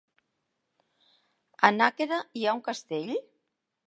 A Nàquera hi ha un castell?